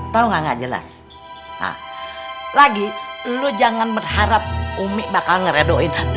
tahu nggak jelas lagi lu jangan berharap ummi bakal ngeredoin andu